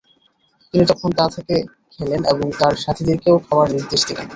তিনি তখন তা থেকে খেলেন এবং তার সাথীদেরকেও খাওয়ার নির্দেশ দিলেন।